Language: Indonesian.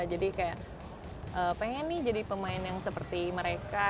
jadi kayak pengen nih jadi pemain yang seperti mereka